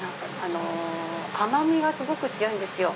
甘みがすごく強いんですよ。